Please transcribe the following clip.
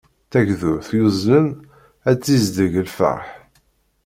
Tagdurt yuzlen ad tzizdeg lfert.